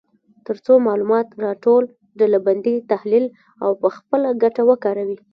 تر څو معلومات راټول، ډلبندي، تحلیل او په خپله ګټه وکاروي.